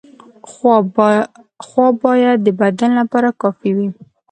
خواب باید د بدن لپاره کافي وي.